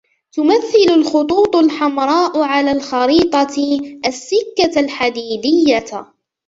تمثل الخطوط الحمراء على الخريطة السكة الحديدية.